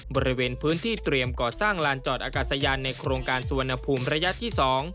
บริเวณพื้นที่เตรียมก่อสร้างลานจอดอากาศยานในโครงการสุวรรณภูมิระยะที่๒